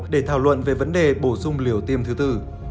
để thảo luận về vấn đề bổ sung liều tiêm thứ tư